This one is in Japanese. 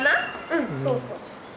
うんそうそう。